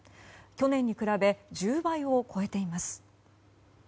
去年に比べ１０倍を超えています。